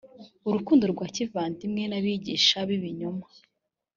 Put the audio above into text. urukundo rwa kivandimwe n abigisha b ibinyoma